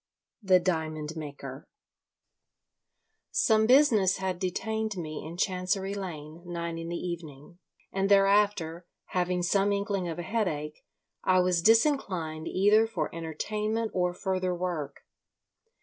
THE DIAMOND MAKER Some business had detained me in Chancery Lane until nine in the evening, and thereafter, having some inkling of a headache, I was disinclined either for entertainment or further work.